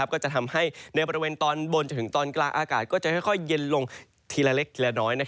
ก็จะทำให้ในบริเวณตอนบนจนถึงตอนกลางอากาศก็จะค่อยเย็นลงทีละเล็กทีละน้อย